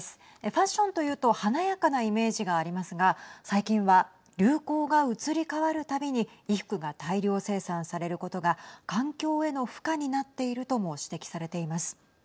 ファッションというと華やかなイメージがありますが最近は流行が移り変わるたびに衣服が大量生産されることが環境への負荷になっているとも指摘されています。